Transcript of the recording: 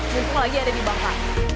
jentuh lagi ada di bangka